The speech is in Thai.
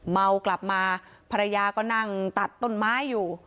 เมากลับมาภรรยาก็นั่งตัดต้นไม้อยู่